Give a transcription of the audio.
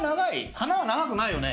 鼻は長くないよね。